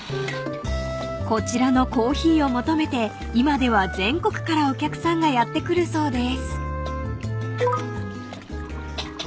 ［こちらのコーヒーを求めて今では全国からお客さんがやって来るそうです］